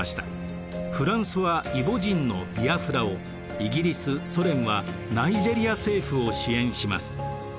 フランスはイボ人のビアフラをイギリス・ソ連はナイジェリア政府を支援します。